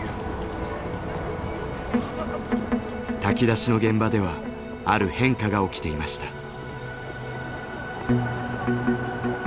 炊き出しの現場ではある変化が起きていました。